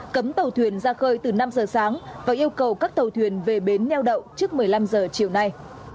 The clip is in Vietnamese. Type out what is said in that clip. cấm tàu thuyền ra khơi từ năm giờ sáng và yêu cầu các tàu thuyền về bến nheo đậu trước một mươi năm giờ chiều nay